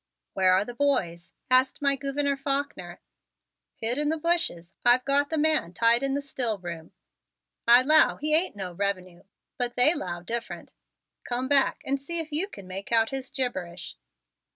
"Where are the boys?" asked my Gouverneur Faulkner. "Hid in the bushes. I've got the man tied back in the still room. I 'low he ain't no revenue but they 'low different. Come back and see if you kin make out his gibberish."